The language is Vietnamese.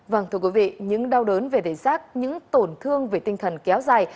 vâng thưa quý vị những đau đớn về thể giác những tổn thương về tinh thần kéo dài